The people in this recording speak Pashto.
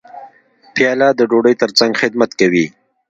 پیاله د ډوډۍ ترڅنګ خدمت کوي.